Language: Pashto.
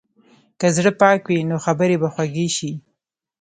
که زړه پاک وي، نو خبرې به خوږې شي.